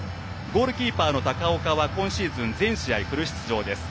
ゴールキーパーの高丘は今シーズン全試合フル出場です。